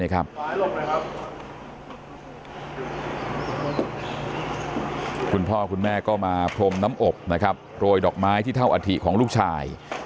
คุณพ่อคุณแม่ก็มาพรมน้ำอบโรยดอกไม้ที่เท่าอธิของลูกชาย